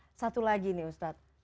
nah satu lagi nih ustadz